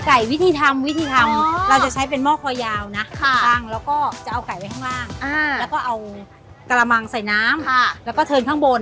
วิธีทำวิธีทำเราจะใช้เป็นหม้อคอยาวนะตั้งแล้วก็จะเอาไก่ไว้ข้างล่างแล้วก็เอากระมังใส่น้ำแล้วก็เทินข้างบน